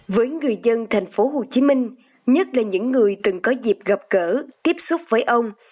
với người dân thành phố hồ chí minh nhất là những người từng có dịp gặp cỡ tiếp xúc với ông